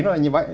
nó là như vậy